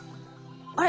あれ？